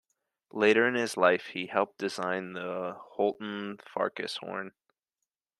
Later in his life he helped design the Holton Farkas horn.